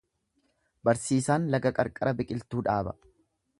Barsiisaan laga qarqara biqiltuu dhaaba.